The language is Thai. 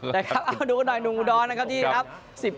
นะครับเอาดูกันหน่อยนุงดอนนะครับที่นะครับ